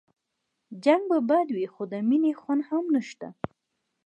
جنګ به بد وي خو د مينې خوند هم نشته